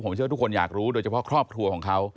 ผมเชื่อว่าทุกคนอยากรู้โดยเฉพาะครอบครัวของเขา